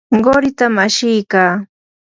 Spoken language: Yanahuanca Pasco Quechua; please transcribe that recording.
quritam ashikaa.